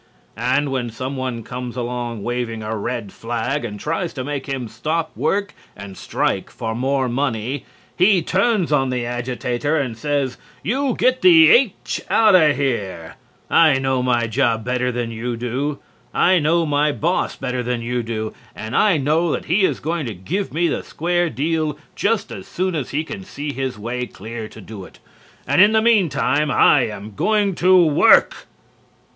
And when some one comes along waving a red flag and tries to make him stop work and strike for more money, he turns on the agitator and says: 'You get the h out of here. I know my job better than you do. I know my boss better than you do, and I know that he is going to give me the square deal just as soon as he can see his way clear to do it. And in the mean time I am going to WORK!'